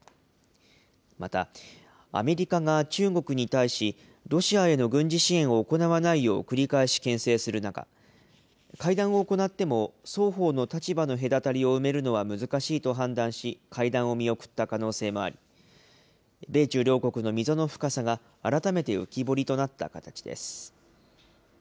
また、アメリカが中国に対し、ロシアへの軍事支援を行わないよう繰り返しけん制する中、会談を行っても双方の立場の隔たりを埋めるのは難しいと判断し、会談を見送った可能性もあり、米中両国の溝の深さが改めて浮き彫りとなった形です。